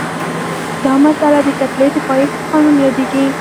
دا مسئله د کتلې د پایښت قانون یادیږي.